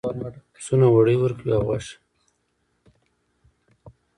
پسونه وړۍ ورکوي او غوښه.